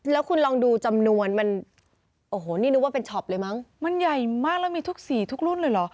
แล้วคุณลองดูจำนวนมันโอ้โหนี่นึกว่าเป็นช็อปเลยมั้งมันใหญ่มากแล้วมีทุกสีทุกรุ่นเลยเหรอ